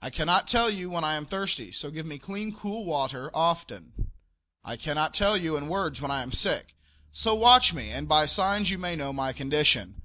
I cannot tell you when I am thirsty, so give me clean, cool water often. I cannot tell you in words when I am sick, so watch me and by signs you may know my condition.